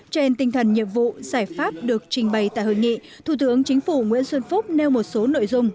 trên tinh thần nhiệm vụ giải pháp được trình bày tại hội nghị thủ tướng chính phủ nguyễn xuân phúc nêu một số nội dung